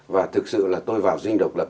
và thực sự là tôi vào riêng độc lập